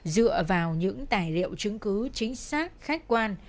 dựa vào những tài liệu chứng cứ chính xác khách quan